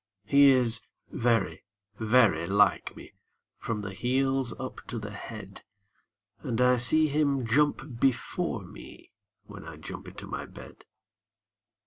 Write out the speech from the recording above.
He is very, very like me from the heels up to the head; And I see him jump before me, when I jump into my bed.